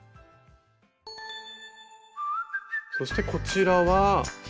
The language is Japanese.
そしてこちらは。